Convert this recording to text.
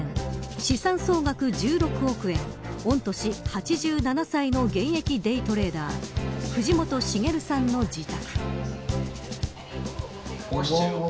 資産総額１６億円御年８７歳の現役デイトレーダー藤本茂さんの自宅。